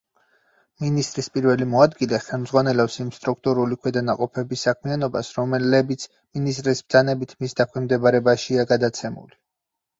მინისტრის პირველი მოადგილე ხელმძღვანელობს იმ სტრუქტურული ქვედანაყოფების საქმიანობას, რომლებიც მინისტრის ბრძანებით მის დაქვემდებარებაშია გადაცემული.